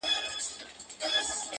ما به ولي کاروانونه لوټولاى؛